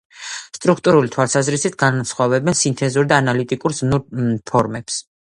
სტრუქტურული თვალსაზრისით განასხვავებენ სინთეზურ და ანალიტიკურ ზმნურ ფორმებს.